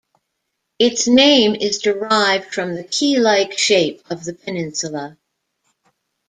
Its name is derived from the key-like shape of the peninsula.